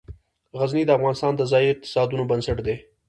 غزني د افغانستان د ځایي اقتصادونو بنسټ دی.